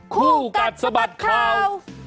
คู่กัดสะบัดเขา